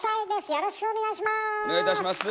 よろしくお願いします。